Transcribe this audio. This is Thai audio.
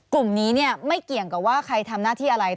กลุ่มนี้ไม่เกี่ยงกับว่าใครทำหน้าที่อะไร